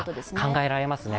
考えられますね。